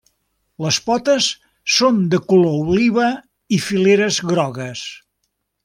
Les potes són de color oliva i fileres grogues.